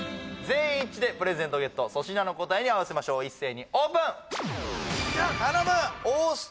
全員一致でプレゼントゲット粗品の答えに合わせましょう一斉にオープン！